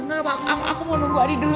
enggak pak aku mau nunggu adi dulu